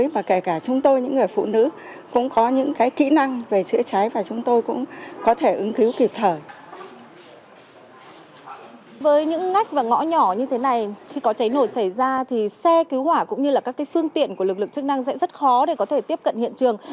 với những ngách và ngõ nhỏ như thế này khi có cháy nổ xảy ra thì xe cứu hỏa cũng như là các phương tiện của lực lượng chức năng sẽ rất khó để có thể tiếp cận hiện trường